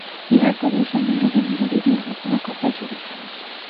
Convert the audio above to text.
ইহার পরে এ সম্বন্ধে হেমনলিনীর আর কোনো কথা চলিল না।